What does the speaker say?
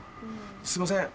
すいません